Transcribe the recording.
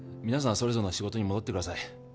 それぞれの仕事に戻ってください